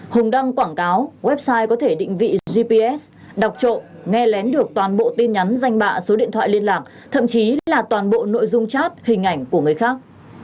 hùng đăng quảng cáo website có thể định vị gps đọc trộn nghe lén được toàn bộ tin nhắn danh bạ số điện thoại liên lạc thậm chí là toàn bộ nội dung chat hình ảnh của người khác